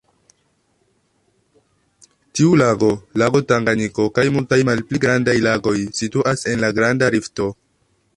Tiu lago, lago Tanganjiko kaj multaj malpli grandaj lagoj situas en la Granda Rifto.